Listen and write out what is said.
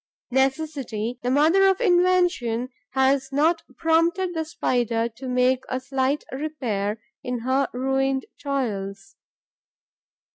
Necessity, the mother of invention, has not prompted the Spider to make a slight repair in her ruined toils.